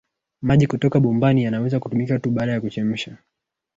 Maji kutoka bombani yanaweza kutumika tu baada ya kuchemsha